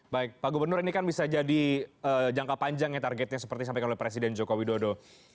baik pak gubernur ini kan bisa jadi jangka panjang ya targetnya seperti disampaikan oleh presiden joko widodo